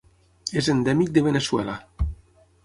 És endèmic de Veneçuela.